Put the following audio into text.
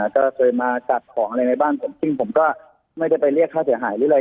ก็เคยมาจัดของอะไรในบ้านผมซึ่งผมก็ไม่ได้ไปเรียกค่าเสียหายหรืออะไร